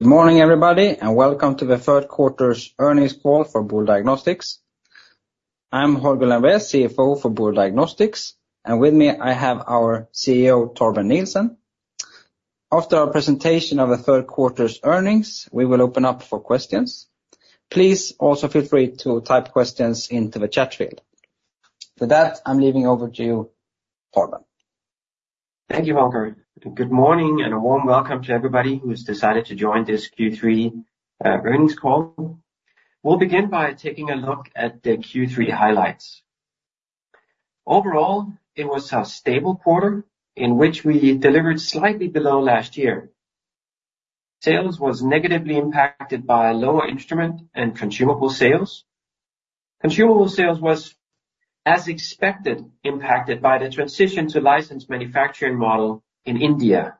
Good morning, everybody, and welcome to the Q3 earnings call for Boule Diagnostics. I'm Holger Lembrér, CFO for Boule Diagnostics, and with me, I have our CEO, Torben Nielsen. After our presentation of the Q3 earnings, we will open up for questions. Please also feel free to type questions into the chat field. For that, I'm handing over to you, Torben. Thank you, Holger. Good morning, and a warm welcome to everybody who's decided to join this Q3 earnings call. We'll begin by taking a look at the Q3 highlights. Overall, it was a stable quarter in which we delivered slightly below last year. Sales was negatively impacted by lower instrument and consumable sales. Consumable sales was, as expected, impacted by the transition to licensed manufacturing model in India,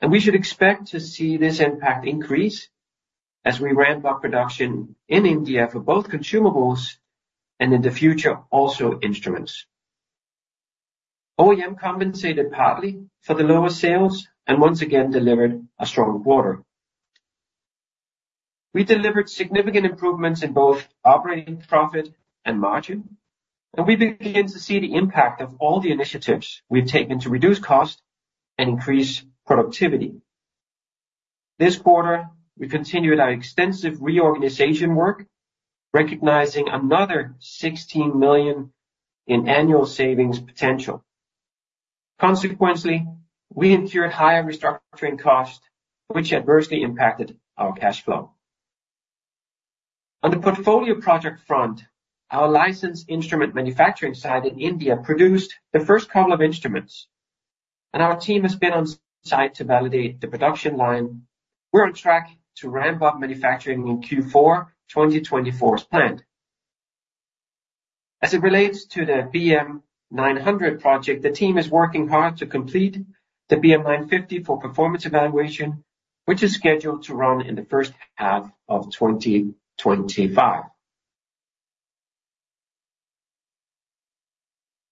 and we should expect to see this impact increase as we ramp up production in India for both consumables and, in the future, also instruments. OEM compensated partly for the lower sales and once again delivered a strong quarter. We delivered significant improvements in both operating profit and margin, and we begin to see the impact of all the initiatives we've taken to reduce cost and increase productivity. This quarter, we continued our extensive reorganization work, recognizing another 16 million in annual savings potential. Consequently, we incurred higher restructuring costs, which adversely impacted our cash flow. On the portfolio project front, our licensed instrument manufacturing site in India produced the first couple of instruments, and our team has been on site to validate the production line. We're on track to ramp up manufacturing in Q4, 2024, as planned. As it relates to the BM900 project, the team is working hard to complete the BM950 for performance evaluation, which is scheduled to run in the H1 of 2025.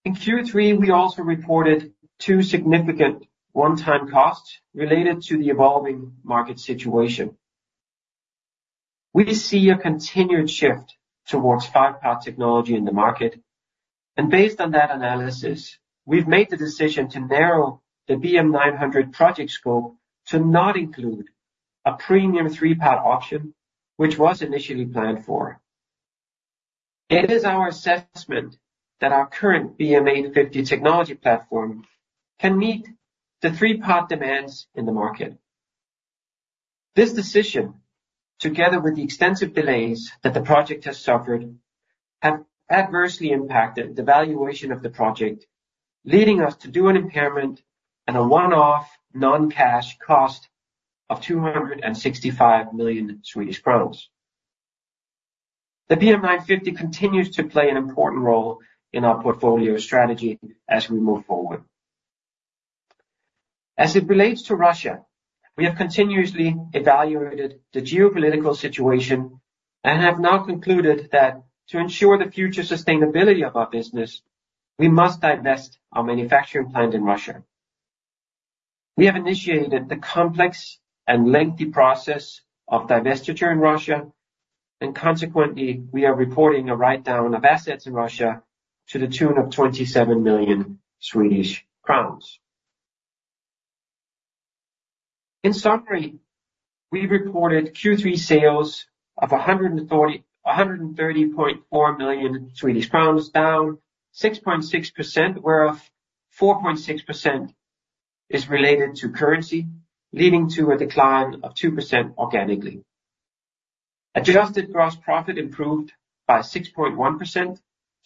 In Q3, we also reported two significant one-time costs related to the evolving market situation. We see a continued shift towards 5-part technology in the market, and based on that analysis, we've made the decision to narrow the BM900 project scope to not include a premium 3-part option, which was initially planned for. It is our assessment that our current BM850 technology platform can meet the 3-part demands in the market. This decision, together with the extensive delays that the project has suffered, have adversely impacted the valuation of the project, leading us to do an impairment and a one-off non-cash cost of 265 million. The BM950 continues to play an important role in our portfolio strategy as we move forward. As it relates to Russia, we have continuously evaluated the geopolitical situation and have now concluded that to ensure the future sustainability of our business, we must divest our manufacturing plant in Russia. We have initiated the complex and lengthy process of divestiture in Russia, and consequently, we are reporting a write-down of assets in Russia to the tune of SEK 27 million. In summary, we reported Q3 sales of 130.4 million Swedish crowns, down 6.6%, whereof 4.6% is related to currency, leading to a decline of 2% organically. Adjusted gross profit improved by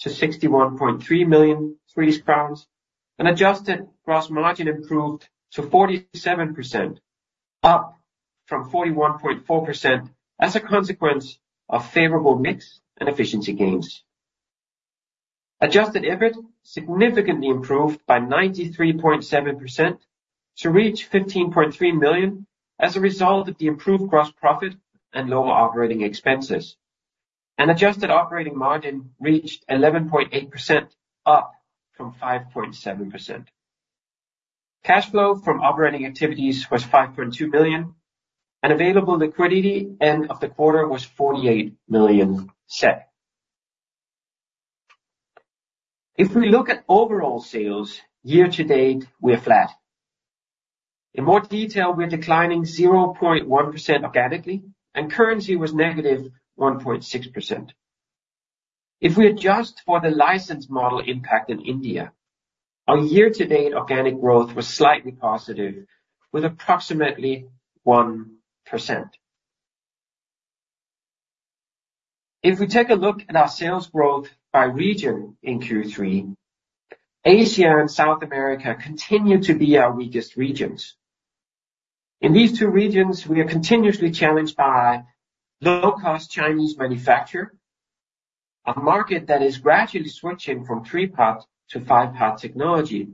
6.1% to 61.3 million Swedish crowns, and adjusted gross margin improved to 47%, up from 41.4% as a consequence of favorable mix and efficiency gains. Adjusted EBIT significantly improved by 93.7% to reach 15.3 million as a result of the improved gross profit and lower operating expenses, and adjusted operating margin reached 11.8%, up from 5.7%. Cash flow from operating activities was 5.2 billion, and available liquidity end of the quarter was 48 million SEK. If we look at overall sales, year-to-date, we're flat. In more detail, we're declining 0.1% organically, and currency was negative 1.6%. If we adjust for the licensed model impact in India, our year-to-date organic growth was slightly positive, with approximately 1%. If we take a look at our sales growth by region in Q3, Asia and South America continue to be our weakest regions. In these two regions, we are continuously challenged by low-cost Chinese manufacturer, a market that is gradually switching from 3-part to 5-part technology,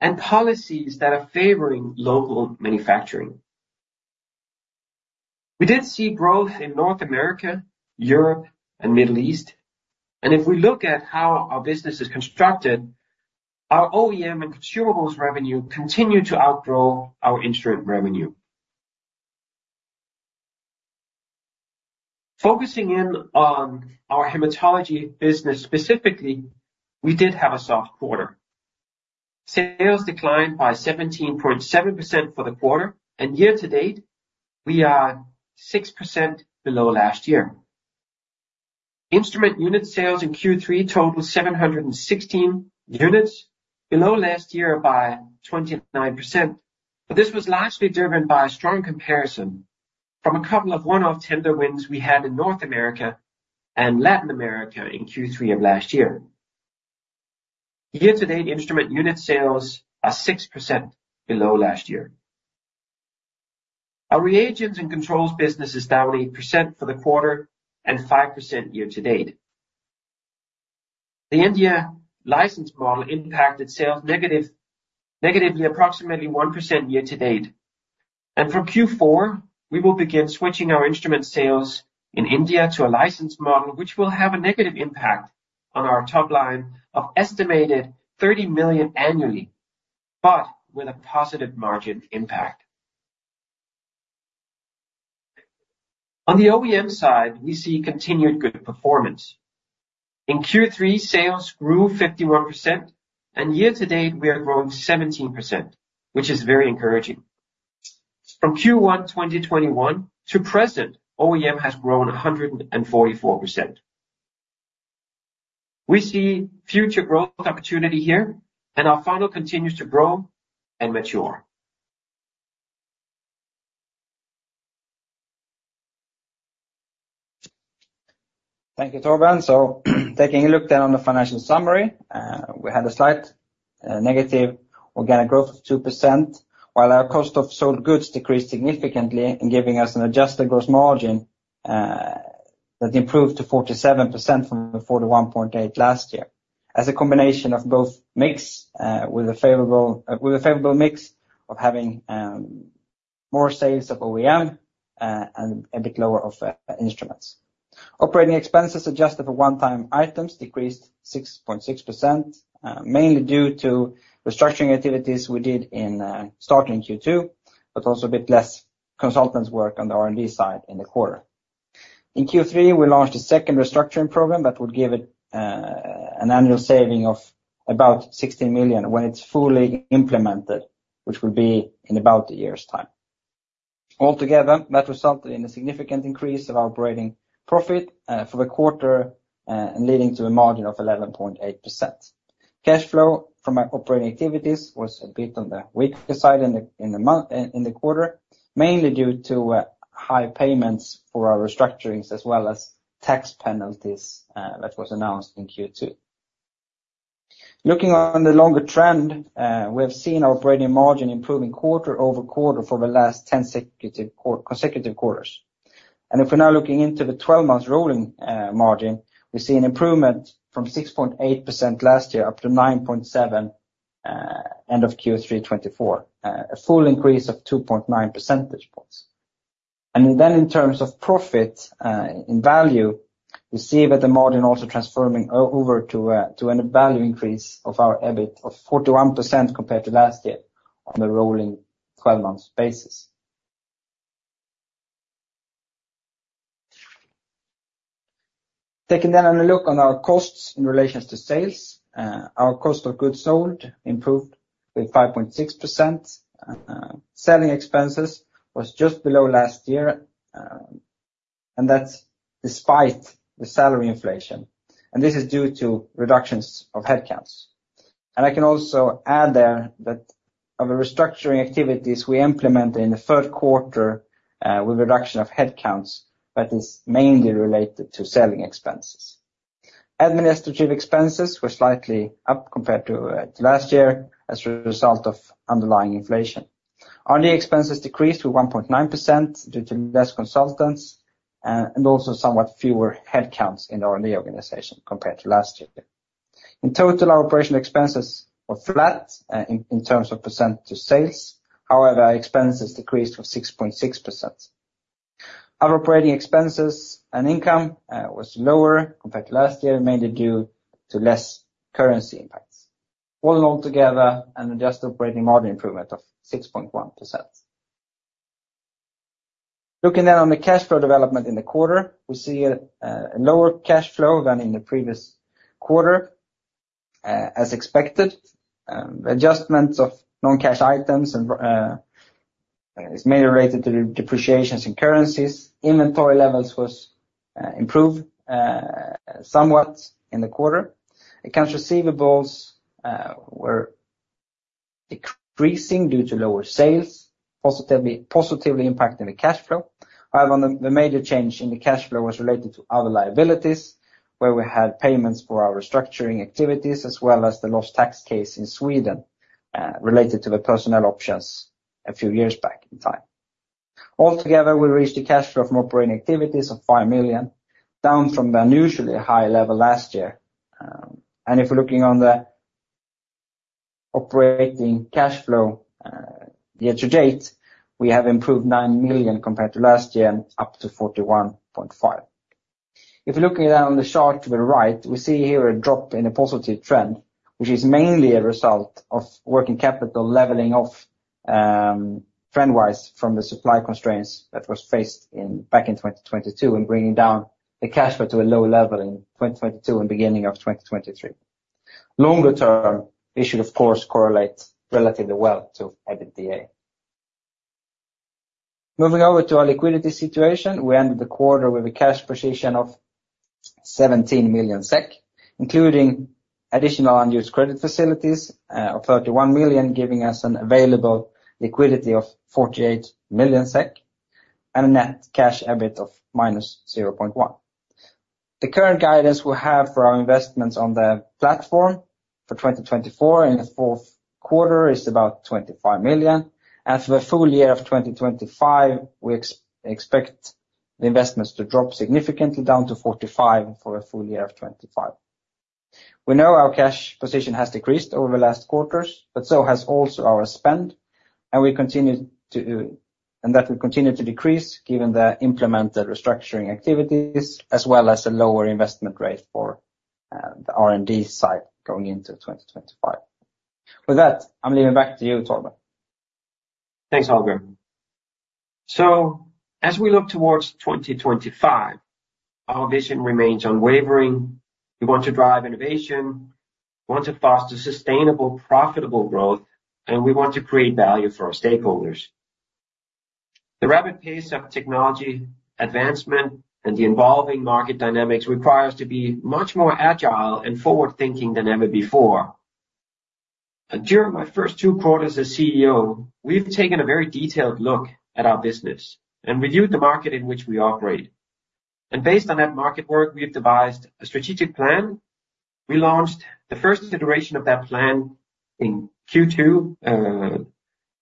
and policies that are favoring local manufacturing. We did see growth in North America, Europe, and Middle East, and if we look at how our business is constructed, our OEM and consumables revenue continue to outgrow our instrument revenue. Focusing in on our hematology business specifically, we did have a soft quarter. Sales declined by 17.7% for the quarter, and year-to-date, we are 6% below last year. Instrument unit sales in Q3 totaled 716 units, below last year by 29%. But this was largely driven by a strong comparison from a couple of one-off tender wins we had in North America and Latin America in Q3 of last year. Year-to-date instrument unit sales are 6% below last year. Our reagents and controls business is down 8% for the quarter and 5% year-to-date. The India license model impacted sales negative, negatively, approximately 1% year-to-date. From Q4, we will begin switching our instrument sales in India to a license model, which will have a negative impact on our top line of estimated 30 million annually, but with a positive margin impact. On the OEM side, we see continued good performance. In Q3, sales grew 51%, and year-to-date, we are growing 17%, which is very encouraging. From Q1 2021 to present, OEM has grown 144%. We see future growth opportunity here, and our funnel continues to grow and mature. Thank you, Torben. So, taking a look then on the financial summary, we had a slight negative organic growth of 2%, while our cost of goods sold decreased significantly, giving us an adjusted gross margin that improved to 47% from the 41.8% last year. As a combination of both mix with a favorable mix of having more sales of OEM and a bit lower of instruments. Operating expenses adjusted for one-time items decreased 6.6%, mainly due to restructuring activities we did in starting Q2, but also a bit less consultants' work on the R&D side in the quarter. In Q3, we launched a second restructuring program that would give it an annual saving of about 16 million when it's fully implemented, which will be in about a year's time. Altogether, that resulted in a significant increase of operating profit for the quarter, and leading to a margin of 11.8%. Cash flow from our operating activities was a bit on the weaker side in the quarter, mainly due to high payments for our restructurings as well as tax penalties that was announced in Q2. Looking on the longer trend, we have seen our operating margin improving quarter-over-quarter for the last ten consecutive quarters, and if we're now looking into the twelve-month rolling margin, we see an improvement from 6.8% last year up to 9.7% end of Q3 2024. A full increase of 2.9 percentage points. And then in terms of profit, in value, we see that the margin also transforming over to a value increase of our EBIT of 41% compared to last year on the rolling 12-month basis. Taking then a look on our costs in relation to sales, our cost of goods sold improved with 5.6%. Selling expenses was just below last year, and that's despite the salary inflation, and this is due to reductions of headcounts. And I can also add there that, of the restructuring activities we implemented in the Q3, with reduction of headcounts, that is mainly related to selling expenses. Administrative expenses were slightly up compared to last year as a result of underlying inflation. R&D expenses decreased to 1.9% due to less consultants and also somewhat fewer headcounts in the R&D organization compared to last year. In total, our operational expenses were flat in terms of percent to sales. However, expenses decreased of 6.6%. Our operating expenses and income was lower compared to last year, mainly due to less currency impacts. All altogether, an adjusted operating margin improvement of 6.1%. Looking then on the cash flow development in the quarter, we see a lower cash flow than in the previous quarter, as expected. Adjustments of non-cash items and is mainly related to the depreciations in currencies. Inventory levels was improved somewhat in the quarter. Accounts receivables were decreasing due to lower sales, positively impacting the cash flow. However, the major change in the cash flow was related to other liabilities, where we had payments for our restructuring activities, as well as the lost tax case in Sweden, related to the personnel options a few years back in time. Altogether, we reached a cash flow from operating activities of five million, down from the unusually high level last year, and if we're looking at the operating cash flow year-to-date, we have improved nine million compared to last year and up to 41.5 million. If you're looking at on the chart to the right, we see here a drop in a positive trend, which is mainly a result of working capital leveling off, trend-wise, from the supply constraints that was faced in back in 2022 and bringing down the cash flow to a low level in 2022 and beginning of 2023. Longer term, it should, of course, correlate relatively well to EBITDA. Moving over to our liquidity situation, we ended the quarter with a cash position of 17 million SEK, including additional unused credit facilities of 31 million, giving us an available liquidity of 48 million SEK and a net cash EBIT of -0.1. The current guidance we have for our investments on the platform for 2024 and the Q4 is about 25 million, and for the full year of 2025, we expect the investments to drop significantly down to 45 million for a full year of 2025. We know our cash position has decreased over the last quarters, but so has also our spend, and we continue to, and that will continue to decrease given the implemented restructuring activities as well as the lower investment rate for the R&D side going into 2025. With that, I'm handing back to you, Torben. Thanks, Holger. So as we look towards 2025, our vision remains unwavering. We want to drive innovation, we want to foster sustainable, profitable growth, and we want to create value for our stakeholders. The rapid pace of technology advancement and the evolving market dynamics require us to be much more agile and forward-thinking than ever before. And during my first two quarters as CEO, we've taken a very detailed look at our business and reviewed the market in which we operate. And based on that market work, we've devised a strategic plan. We launched the first iteration of that plan in Q2,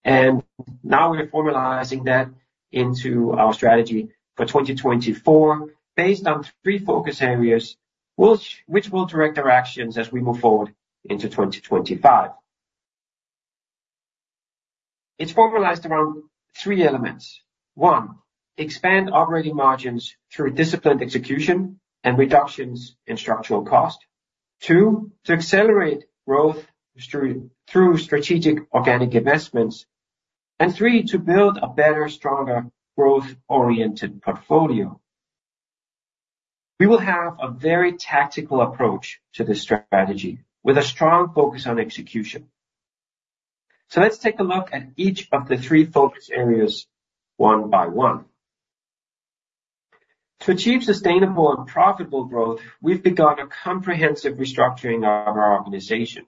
and now we're formalizing that into our strategy for 2024, based on three focus areas, which will direct our actions as we move forward into 2025. It's formalized around three elements. One, expand operating margins through disciplined execution and reductions in structural cost. Two, to accelerate growth through strategic organic investments, and three, to build a better, stronger, growth-oriented portfolio. We will have a very tactical approach to this strategy with a strong focus on execution, so let's take a look at each of the three focus areas one by one. To achieve sustainable and profitable growth, we've begun a comprehensive restructuring of our organization.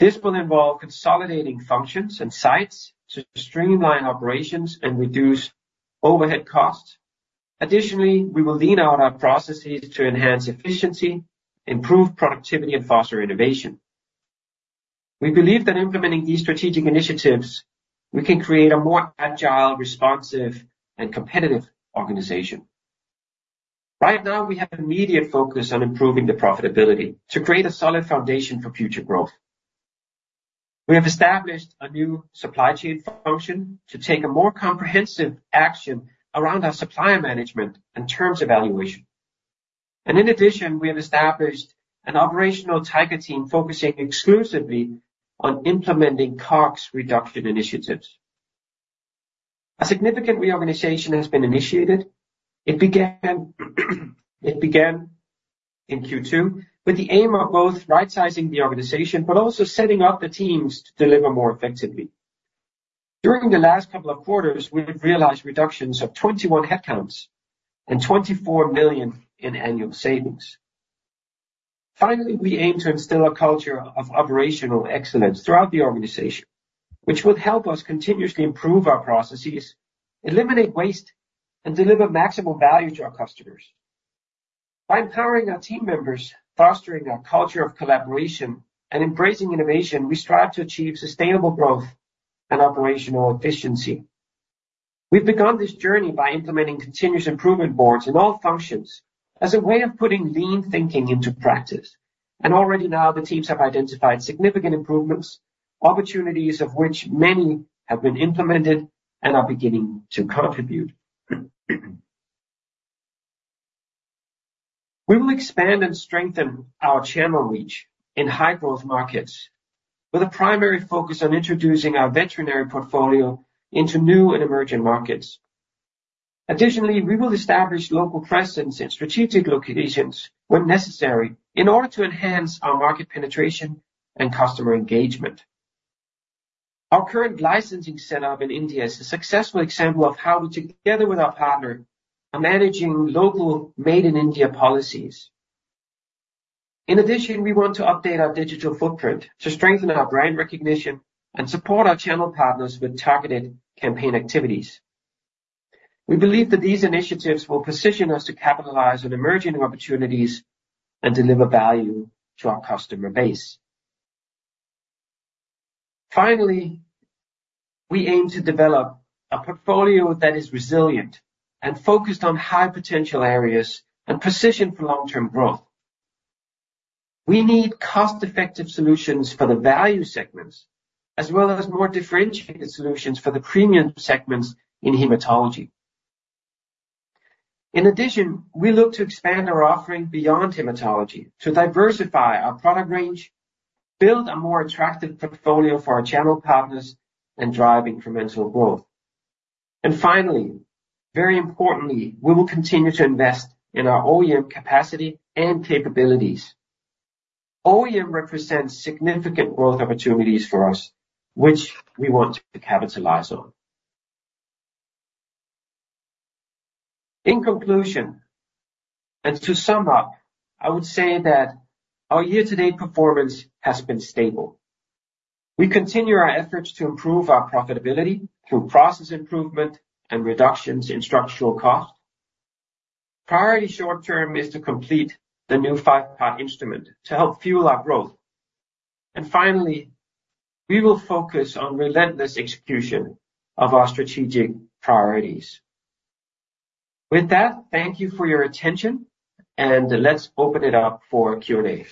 This will involve consolidating functions and sites to streamline operations and reduce overhead costs. Additionally, we will lean out our processes to enhance efficiency, improve productivity, and foster innovation. We believe that, implementing these strategic initiatives, we can create a more agile, responsive, and competitive organization. Right now, we have an immediate focus on improving the profitability to create a solid foundation for future growth. We have established a new supply chain function to take a more comprehensive action around our supplier management and terms evaluation. In addition, we have established an operational Tiger Team focusing exclusively on implementing COGS reduction initiatives. A significant reorganization has been initiated. It began in Q2, with the aim of both right-sizing the organization but also setting up the teams to deliver more effectively. During the last couple of quarters, we've realized reductions of 21 headcounts and 24 million in annual savings. Finally, we aim to instill a culture of operational excellence throughout the organization, which will help us continuously improve our processes, eliminate waste, and deliver maximum value to our customers. By empowering our team members, fostering a culture of collaboration, and embracing innovation, we strive to achieve sustainable growth and operational efficiency. We've begun this journey by implementing continuous improvement boards in all functions as a way of putting lean thinking into practice. And already now, the teams have identified significant improvements, opportunities of which many have been implemented and are beginning to contribute. We will expand and strengthen our channel reach in high-growth markets, with a primary focus on introducing our veterinary portfolio into new and emerging markets. Additionally, we will establish local presence in strategic locations when necessary, in order to enhance our market penetration and customer engagement. Our current licensing setup in India is a successful example of how we, together with our partner, are managing local Made in India policies. In addition, we want to update our digital footprint to strengthen our brand recognition and support our channel partners with targeted campaign activities. We believe that these initiatives will position us to capitalize on emerging opportunities and deliver value to our customer base. Finally, we aim to develop a portfolio that is resilient and focused on high-potential areas and positioned for long-term growth. We need cost-effective solutions for the value segments, as well as more differentiated solutions for the premium segments in hematology. In addition, we look to expand our offering beyond hematology to diversify our product range, build a more attractive portfolio for our channel partners, and drive incremental growth. And finally, very importantly, we will continue to invest in our OEM capacity and capabilities. OEM represents significant growth opportunities for us, which we want to capitalize on. In conclusion, and to sum up, I would say that our year-to-date performance has been stable. We continue our efforts to improve our profitability through process improvement and reductions in structural cost. Priority short term is to complete the new 5-part instrument to help fuel our growth. And finally, we will focus on relentless execution of our strategic priorities. With that, thank you for your attention, and let's open it up for Q&A.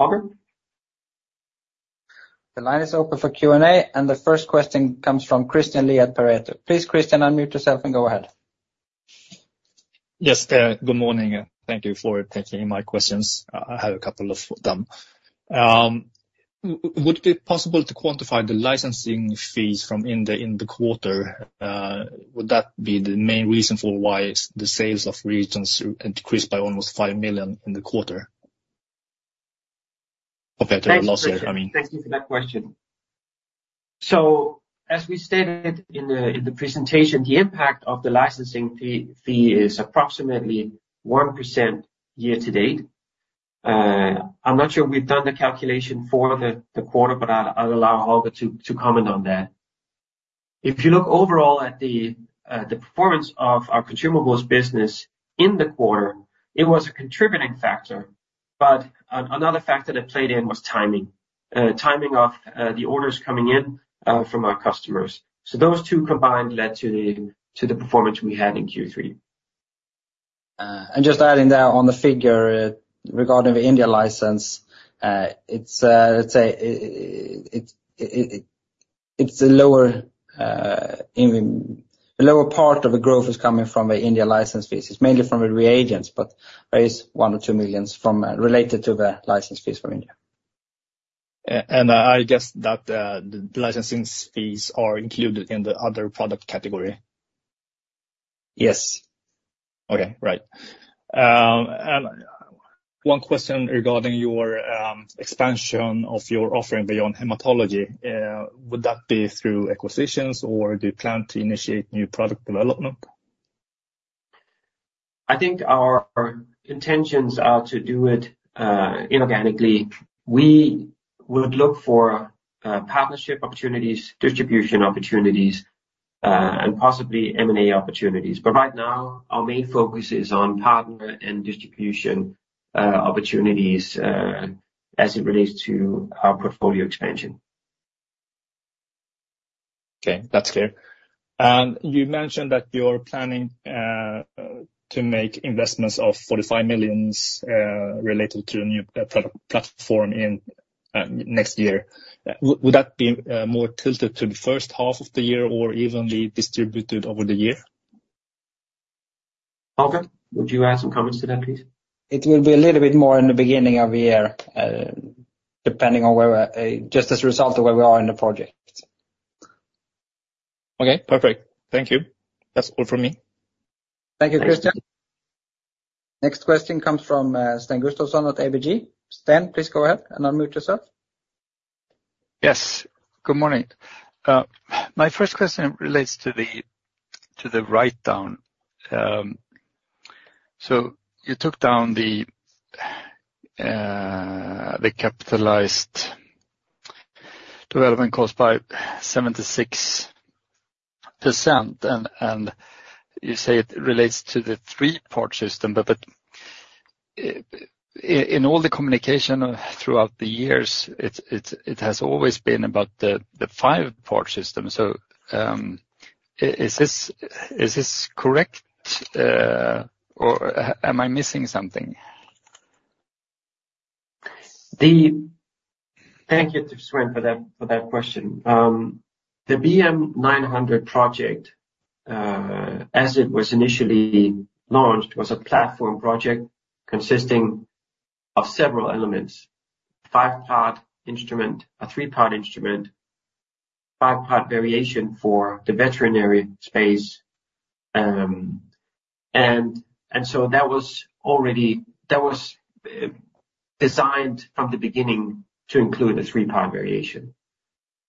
Robert? The line is open for Q&A, and the first question comes from Christian Lee at Pareto. Please, Christian, unmute yourself and go ahead. Yes, good morning, and thank you for taking my questions. I have a couple of them. Would it be possible to quantify the licensing fees from India in the quarter? Would that be the main reason for why the sales of regions increased by almost five million in the quarter? Or better, a loss, I mean. Thank you for that question. So, as we stated in the presentation, the impact of the licensing fee is approximately 1% year-to-date. I'm not sure we've done the calculation for the quarter, but I'll allow Robert to comment on that. If you look overall at the performance of our consumables business in the quarter, it was a contributing factor, but another factor that played in was timing. Timing of the orders coming in from our customers. So those two combined led to the performance we had in Q3. And just adding there on the figure, regarding the India license, it's, let's say, it's a lower, even the lower part of the growth is coming from the India license fees. It's mainly from the reagents, but there is SEK one to two million from related to the license fees from India. And I guess that the licensing fees are included in the other product category. Yes. Okay, right, and one question regarding your expansion of your offering beyond hematology, would that be through acquisitions, or do you plan to initiate new product development? I think our intentions are to do it inorganically. We would look for partnership opportunities, distribution opportunities, and possibly M&A opportunities. But right now, our main focus is on partner and distribution opportunities as it relates to our portfolio expansion. Okay, that's clear. And you mentioned that you're planning to make investments of 45 million related to a new product platform in next year. Would that be more tilted to the H1 of the year or evenly distributed over the year? Holger, would you add some comments to that, please? It will be a little bit more in the beginning of the year, depending on where we are, just as a result of where we are in the project. Okay, perfect. Thank you. That's all from me. Thank you, Christian. Next, question comes from Sten Gustafsson at ABG. Sten, please go ahead and unmute yourself. Yes. Good morning. My first question relates to the write-down. So you took down the capitalized development cost by 76%, and you say it relates to the 3-part system, but in all the communication throughout the years, it has always been about the 5-part system. So is this correct, or am I missing something? Thank you, Sten, for that, for that question. The BM900 project, as it was initially launched, was a platform project consisting of several elements: 5-part instrument, a 3-part instrument, 5-part variation for the veterinary space, and so that was already. That was designed from the beginning to include a 3-part variation.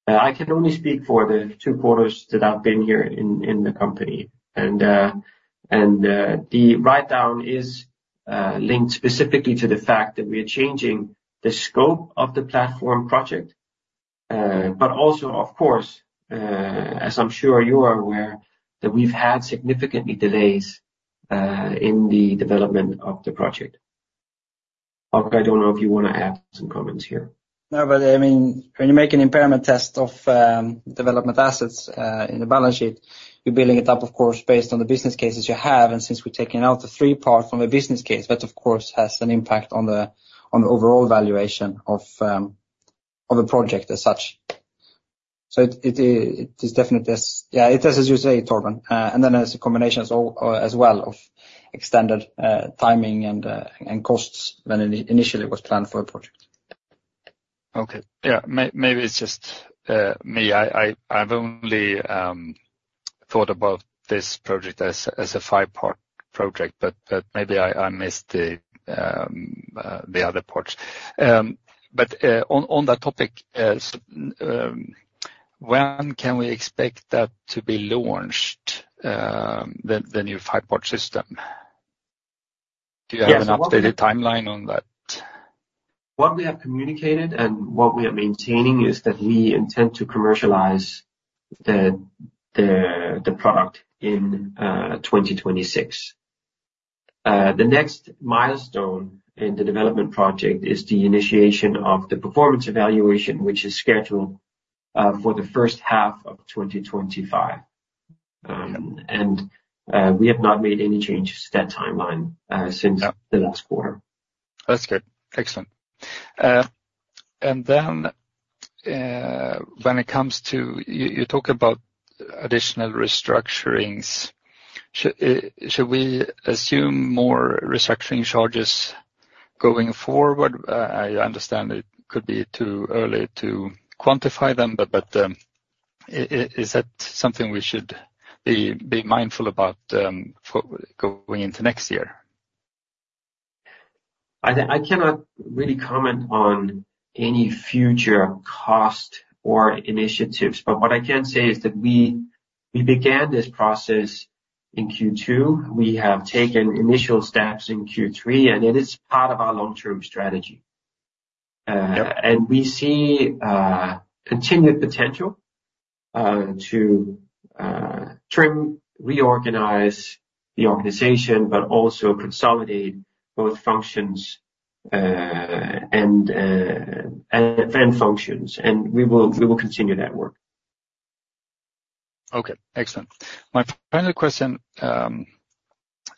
I can only speak for the two quarters that I've been here in the company, and the write-down is linked specifically to the fact that we are changing the scope of the platform project, but also, of course, as I'm sure you are aware, that we've had significantly delays in the development of the project. I don't know if you wanna add some comments here. No, but I mean, when you make an impairment test of development assets in the balance sheet, you're building it up, of course, based on the business cases you have, and since we're taking out the 3-part from a business case, that of course has an impact on the overall valuation of a project as such. So it is definitely, yeah, it is, as you say, Torben, and then as a combination as well of extended timing and costs than initially was planned for a project. Okay. Yeah, maybe it's just me. I've only thought about this project as a 5-part project, but maybe I missed the other parts, but on that topic, so when can we expect that to be launched, the new 5-part system? Yes. Do you have an updated timeline on that? What we have communicated and what we are maintaining is that we intend to commercialize the product in 2026. The next milestone in the development project is the initiation of the performance evaluation, which is scheduled for the H1 of 2025, and we have not made any changes to that timeline. Yeah Since the last quarter. That's good. Excellent. And then, when it comes to you, talk about additional restructurings. Should we assume more restructuring charges going forward? I understand it could be too early to quantify them, but, is that something we should be mindful about for going into next year? I cannot really comment on any future cost or initiatives, but what I can say is that we began this process in Q2. We have taken initial steps in Q3, and it is part of our long-term strategy. Yep. And we see continued potential to trim, reorganize the organization, but also consolidate both functions and then functions. And we will continue that work. Okay, excellent. My final question, and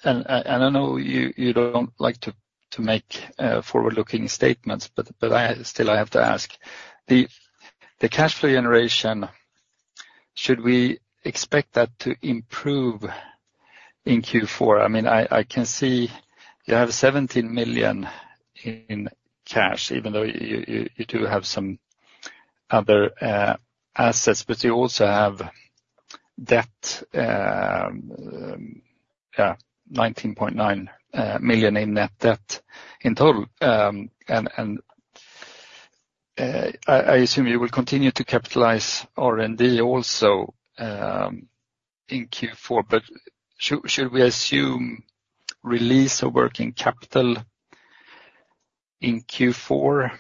I know you don't like to make forward-looking statements, but I still have to ask. The cash flow generation, should we expect that to improve in Q4? I mean, I can see you have 17 million in cash, even though you do have some other assets, but you also have debt, nineteen point nine million in net debt in total. And I assume you will continue to capitalize R&D also in Q4, but should we assume release of working capital in Q4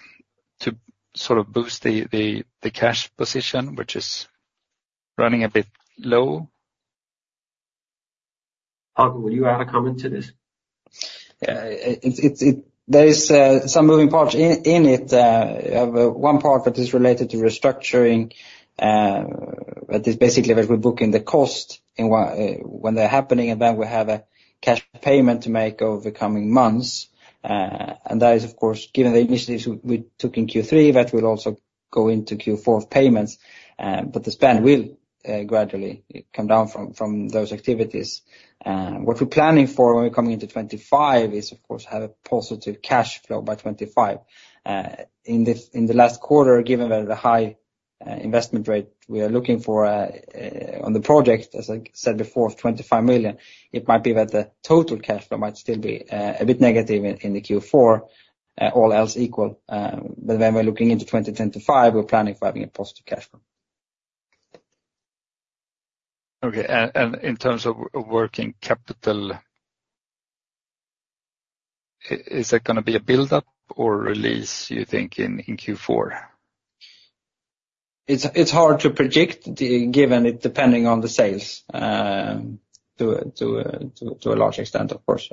to sort of boost the cash position, which is running a bit low? Holger, will you add a comment to this? Yeah. It there is some moving parts in it. One part that is related to restructuring that is basically where we're booking the cost and when they're happening, and then we have a cash payment to make over the coming months. And that is, of course, given the initiatives we took in Q3, that will also go into Q4 of payments, but the spend will gradually come down from those activities. What we're planning for when we're coming into 2025 is, of course, have a positive cash flow by 2025. In the last quarter, given the high investment rate we are looking for on the project, as I said before, of 25 million, it might be that the total cash flow might still be a bit negative in the Q4, all else equal, but when we're looking into 2025, we're planning for having a positive cash flow. Okay. And in terms of working capital, is that gonna be a build-up or release, you think, in Q4? It's hard to predict, given it depending on the sales to a large extent, of course.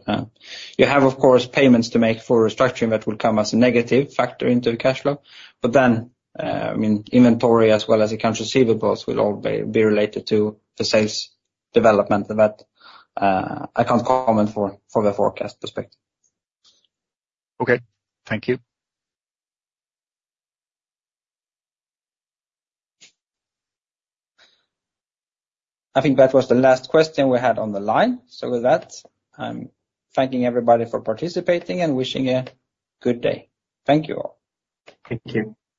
You have, of course, payments to make for restructuring that will come as a negative factor into the cash flow. But then, I mean, inventory as well as accounts receivables will all be related to the sales development, and that, I can't comment for the forecast perspective. Okay. Thank you. I think that was the last question we had on the line. So with that, I'm thanking everybody for participating and wishing a good day. Thank you all. Thank you.